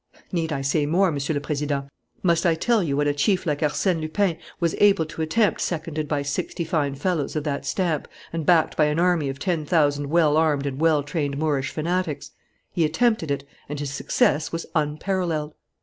"Need I say more, Monsieur le Président? Must I tell you what a chief like Arsène Lupin was able to attempt seconded by sixty fine fellows of that stamp and backed by an army of ten thousand well armed and well trained Moorish fanatics? He attempted it; and his success was unparalleled.